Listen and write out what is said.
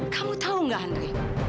kamu tahu gak andre